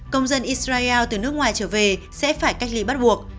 công dân israel từ nước ngoài trở về sẽ phải cách ly bắt buộc